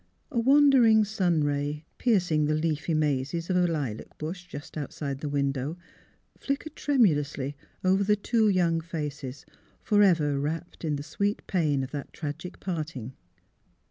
A wandering sun ray, piercing the leafy mazes of a lilac bush just outside the win dow, flickered tremulously over the two young faces, forever rapt in the sweet pain of that tragic parting.